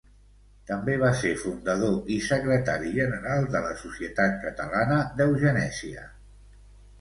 També va ser fundador i secretari general de la Societat Catalana d'Eugenèsia.